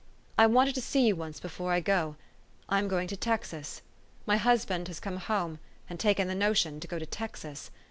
I wanted to see you once before I go. I am going to Texas. My husband has come home, and taken the notion to go to Texas.